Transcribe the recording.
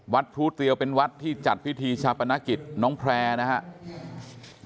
พรูเตียวเป็นวัดที่จัดพิธีชาปนกิจน้องแพร่นะครับ